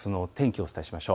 お伝えしましょう。